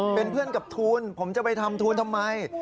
เป็นเพื่อนกับทูลผมจะไปทำทูลทำไม